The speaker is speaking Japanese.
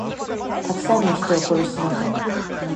たくさんの人を殺したのか。